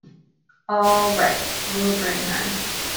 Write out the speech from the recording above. All right; we'll bring her!